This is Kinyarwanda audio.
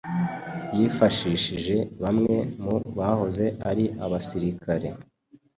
Yifashishije bamwe mu bahoze ari abasirikare